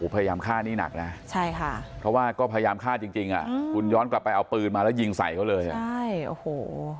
พยายามฆ่านี่หนักนะใช่ค่ะเพราะว่าก็พยายามฆ่าจริงจริงอ่ะคุณย้อนกลับไปเอาปืนมาแล้วยิงใส่เขาเลยอ่ะใช่โอ้โห